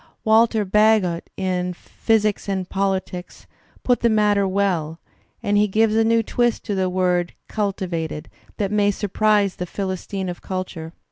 Walter Bagehot in "Physics and PoUtics" puts the matter well, and he gives a new twist to the word "cultL vated" that may surprise the "Philistines of culture."